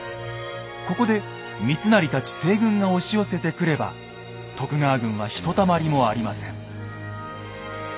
ここで三成たち西軍が押し寄せてくれば徳川軍はひとたまりもありません。